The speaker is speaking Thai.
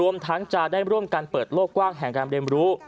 ทั้งจะได้ร่วมกันเปิดโลกกว้างแห่งการเรียนรู้